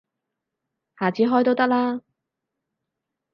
下次開都得啦